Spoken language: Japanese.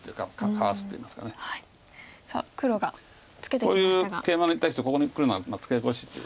こういうケイマに対してここにくるのはツケコシっていう。